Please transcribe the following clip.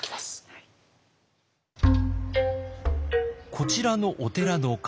こちらのお寺の鐘。